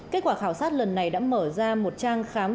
kết quả khảo sát lần này đã mở ra một trang khám